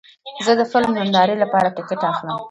زه د فلم نندارې لپاره ټکټ اخلم.